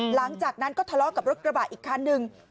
หลังจากนั้นก็ทะเลาะกับรถกระบะอีกคันหนึ่ง